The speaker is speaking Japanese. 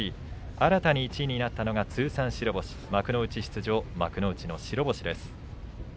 新たに１位になったのが通算白星幕内出場幕内の白星です。